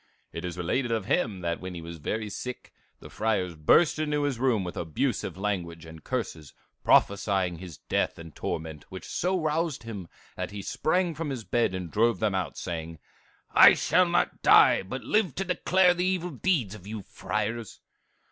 "It is related of him that when he was very sick, the friars burst into his room with abusive language and curses, prophesying his death and torment, which so roused him that he sprang from his bed and drove them out, saying, 'I shall not die, but live to declare the evil deeds of you friars.